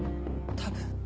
多分。